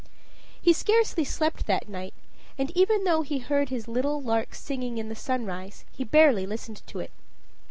He scarcely slept that night, and even though he heard his little lark singing in the sunrise, he barely listened to it.